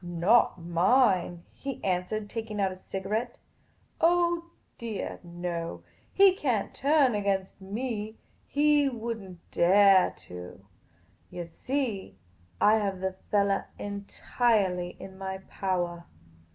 " Not mine," he answered, taking out a cigarette. " Oh deah no. He can't turn against inc. He would n't dare to. Yah see, I have the fellah entirely in my powah.